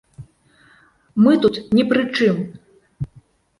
Мы тут ні пры чым!